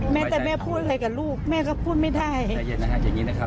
แม้แต่แม่พูดอะไรกับลูกแม่ก็พูดไม่ได้นะฮะอย่างนี้นะครับ